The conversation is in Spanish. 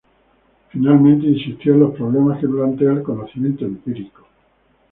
Finalmente, insistió en los problemas que plantea el conocimiento empírico.